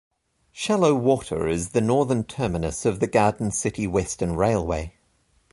Shallow Water is the northern terminus of the Garden City Western Railway.